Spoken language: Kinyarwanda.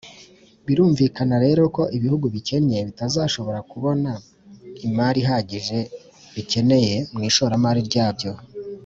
birumvikana rero ko ibihugu bikennye bitazashobora kubona imari ihagije bikeneye mu ishoramari ryabyo